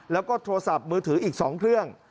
แล้วก็โทรศัพท์มือถืออีก๒เครื่อง